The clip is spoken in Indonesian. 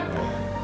surat tanah itu dia